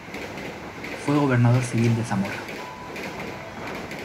Fue gobernador civil de Zamora.